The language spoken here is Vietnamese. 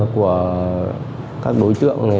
của các đối tượng